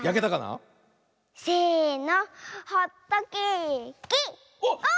せの。